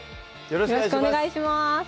よろしくお願いします